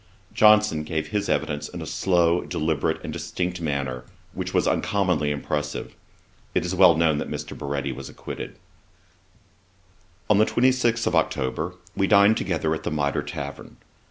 Johnson gave his evidence in a slow, deliberate, and distinct manner, which was uncommonly impressive. It is well known that Mr. Baretti was acquitted. On the 26th of October, we dined together at the Mitre tavern.